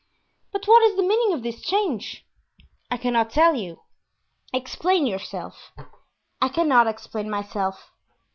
"But what is the meaning of this change?" "I cannot tell you." "Explain yourself." "I cannot explain myself."